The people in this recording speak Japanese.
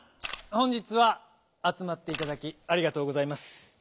本日はあつまっていただきありがとうございます。